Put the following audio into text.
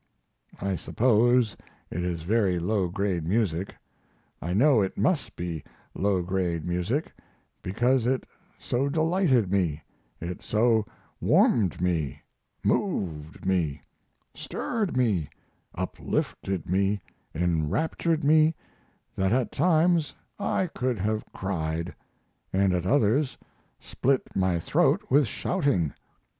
I suppose it is very low grade music I know it must be low grade music because it so delighted me, it so warmed me, moved me, stirred me, uplifted me, enraptured me, that at times I could have cried, and at others split my throat with shouting.